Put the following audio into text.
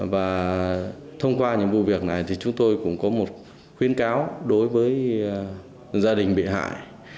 và thông qua những vụ việc này thì chúng tôi cũng có một khuyến cáo đối với gia đình bị hại